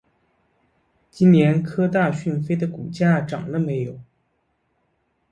今年科大讯飞的股价涨了没有？